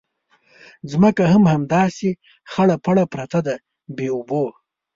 ځمکه هم همداسې خړه پړه پرته ده بې اوبو.